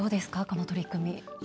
この取り組み。